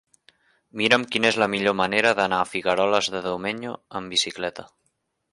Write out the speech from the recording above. Mira'm quina és la millor manera d'anar a Figueroles de Domenyo amb bicicleta.